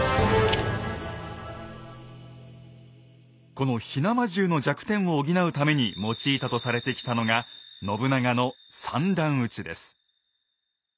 この火縄銃の弱点を補うために用いたとされてきたのが信長の「三段撃ち」です。